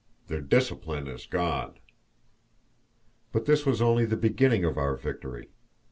Their discipline is gone." But this was only the beginning of our victory.